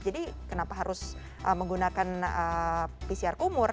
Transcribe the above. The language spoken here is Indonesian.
jadi kenapa harus menggunakan pcr kumur